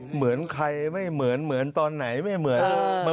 เหมาะไว้ในตอนไหนไม่เหมาะ